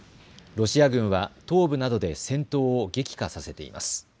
ロシア軍は東部などで戦闘を激化させています。